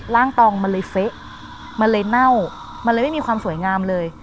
ตองมันเลยเฟะมันเลยเน่ามันเลยไม่มีความสวยงามเลย